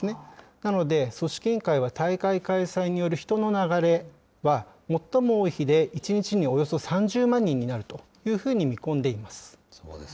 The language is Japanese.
なので、組織委員会は大会開催による人の流れは最も多い日で１日におよそ３０万人になるというふうに見込んでいます。